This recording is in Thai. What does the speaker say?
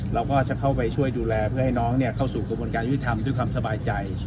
เราก็จะเข้าไปช่วยดูแลเพื่อให้น้องเข้าสู่กระบวนการยุติธรรมด้วยความสบายใจ